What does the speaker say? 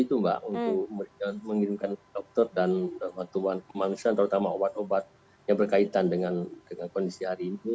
kita sudah membuka opsi itu pak untuk mengirimkan dokter dan bantuan kemanusiaan terutama obat obat yang berkaitan dengan kondisi hari ini